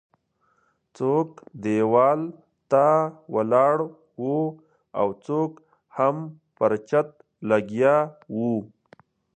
څوک ديوال ته ولاړ وو او څوک هم پر چت لګیا وو.